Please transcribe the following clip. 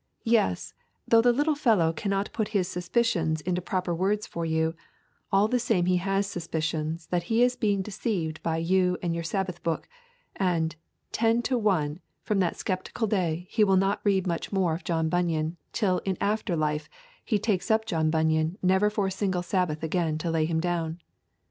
Yes, though the little fellow cannot put his suspicions into proper words for you, all the same he has his suspicions that he is being deceived by you and your Sabbath book; and, ten to one, from that sceptical day he will not read much more of John Bunyan till in after life he takes up John Bunyan never for a single Sabbath again to lay him down.